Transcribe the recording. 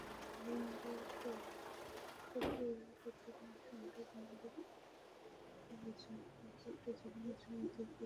রণবির কাপুরক্যাটরিনার সঙ্গে রণবির কাপুরের বোঝাপড়াটা যেন মাঝেমধ্যেই কেমন লাইনচ্যুত হয়ে যায়।